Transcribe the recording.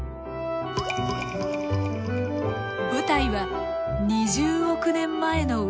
舞台は２０億年前の海。